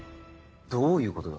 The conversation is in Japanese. どういうことだ？